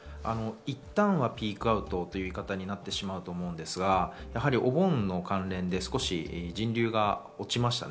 いったんはピークアウトという言い方になってしまうと思うんですが、お盆の関連で人流が落ちましたね。